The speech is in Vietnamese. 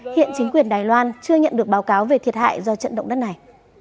hiện chính quyền đài loan chưa nhận được báo cáo về thiệt hại do trận động đất này